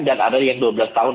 dan ada yang dua belas tahun